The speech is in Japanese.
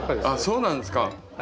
そうなんですか。